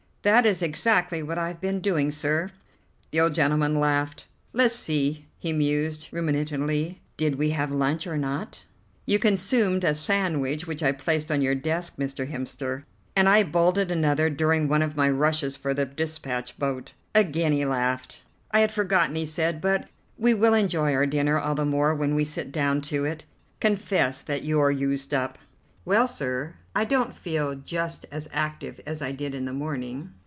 "That is exactly what I've been doing, sir." The old gentleman laughed. "Let's see," he mused ruminatingly, "did we have lunch or not?" "You consumed a sandwich which I placed on your desk, Mr. Hemster, and I bolted another during one of my rushes for the dispatch boat." Again he laughed. "I had forgotten," he said, "but we will enjoy our dinner all the more when we sit down to it. Confess that you're used up." "Well, sir, I don't feel just as active as I did in the morning."